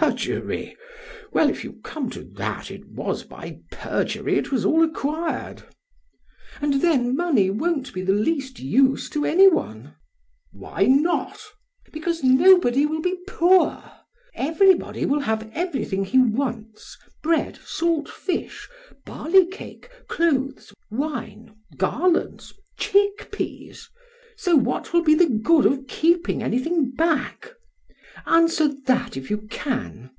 BLEPS. Perjury! Well, if you come to that, it was by perjury it was all acquired. PRAX. And then, money won't be the least use to any one. BLEPS. Why not? PRAX. Because nobody will be poor. Everybody will have everything he wants, bread, salt fish, barley cake, clothes, wine, garlands, chickpeas. So what will be the good of keeping anything back? Answer that if you can!